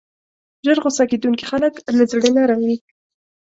ژر غصه کېدونکي خلک له زړه نرم وي.